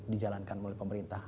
dijalankan oleh pemerintah